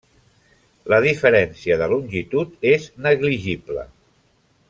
La diferència de longitud és negligible.